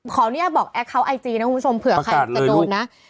ขออนุญาตบอกแอคเคาน์ไอจีนะคุณผู้ชมเผื่อใครจะโดนนะ